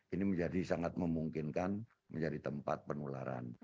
ini menjadi sangat memungkinkan menjadi tempat penularan